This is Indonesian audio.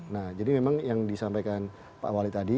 nah jadi memang yang disampaikan pak wali tadi